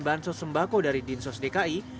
bahan sos sembako dari dinsos dki